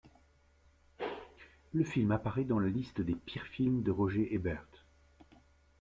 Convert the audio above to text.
Le film apparait dans la liste des pires films de Roger Ebert.